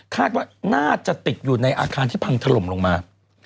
คาดว่าน่าจะติดอยู่ในอาคารที่พังถล่มลงมา